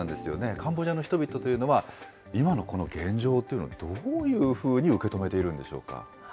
カンボジアの人々というのは、今のこの現状というのをどういうふうに受け止めているんでしょう